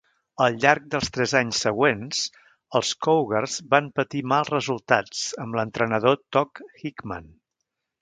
Al llarg dels tres anys següents, els Cougars van patir mals resultats amb l'entrenador Todd Hickman.